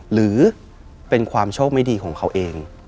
หรือเป็นความโชคไม่ดีของเขาเอง